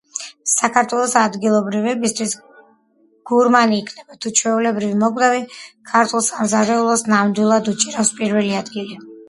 საქართველოში ადგილობრივებისთვის, გურმანი იქნება თუ ჩვეულებრივი მოკვდავი ქართულ სამზარეულოს ნამდვილად უჭირავს პირველი ადგილი.